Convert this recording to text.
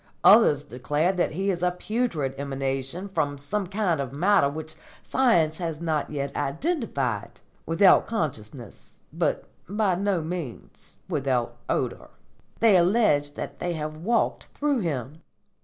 Others declare that he is a putrid emanation from some kind of matter which science has not yet identified, without consciousness, but by no means without odour. They allege that they have walked through him."